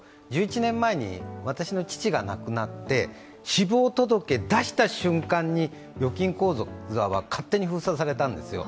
１１年前に、私の父が亡くなって、死亡届を出した瞬間に預金口座は勝手に封鎖されたんですよ。